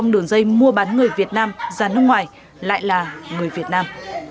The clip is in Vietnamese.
đường dây mua bán người việt nam ra nước ngoài lại là người việt nam